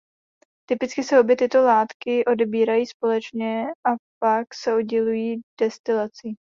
Typicky se obě tyto látky odebírají společně a pak se oddělují destilací.